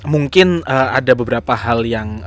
mungkin ada beberapa hal yang